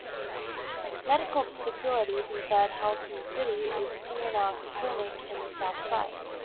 Medical facilities inside Haltom City is the T and R Clinic in the south-side.